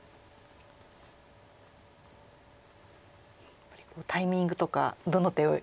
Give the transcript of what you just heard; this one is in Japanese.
やっぱりタイミングとかどの手を選ぶのか